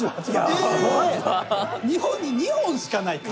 日本に２本しかない傘。